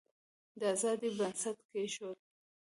د آزادی بنسټ کښېښود.